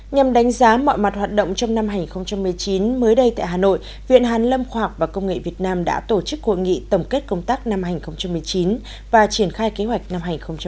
nhằm đánh giá mọi mặt hoạt động trong năm hai nghìn một mươi chín mới đây tại hà nội viện hàn lâm khoa học và công nghệ việt nam đã tổ chức hội nghị tổng kết công tác năm hai nghìn một mươi chín và triển khai kế hoạch năm hai nghìn hai mươi